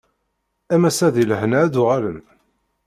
Am wass-a di lehna ad d-uɣalen.